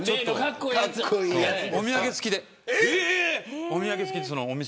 お土産付きで。